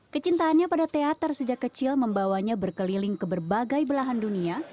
kecintaannya pada teater sejak kecil membawanya berkeliling ke berbagai belahan dunia